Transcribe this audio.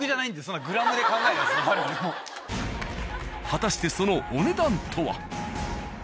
果たしてそのお値段とは？